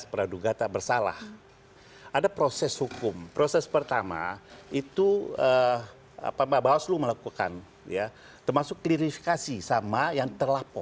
proses pertama itu apa hearts lu melakukan ya termasuk klistifikasi sama yang telah